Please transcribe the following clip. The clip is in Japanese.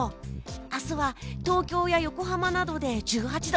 明日は東京や横浜などで１８度。